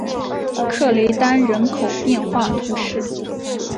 克雷丹人口变化图示